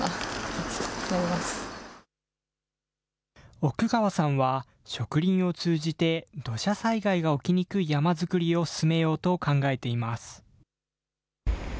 奥川さんは植林を通じて土砂災害が起きにくい山作りを進めようと考えています。